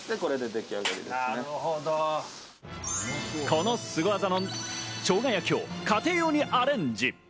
このスゴ技の生姜焼きを家庭用にアレンジ！